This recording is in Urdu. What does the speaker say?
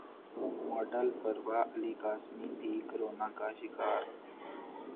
ماڈل فروا علی کاظمی بھی کورونا کا شکار